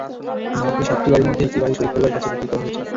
নাটোরের সাতটি বাড়ির মধ্যে একটি বাড়ি শহীদ পরিবারের কাছে বিক্রি করা হয়েছে।